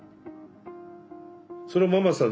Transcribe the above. それはママさん